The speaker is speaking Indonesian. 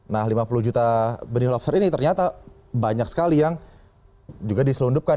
nah lima puluh juta benih lobster ini ternyata banyak sekali yang juga diselundupkan